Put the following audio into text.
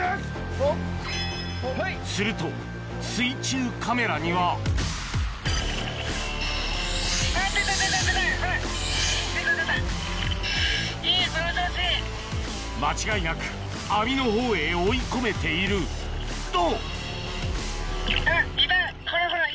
すると水中カメラには間違いなく網の方へ追い込めていると！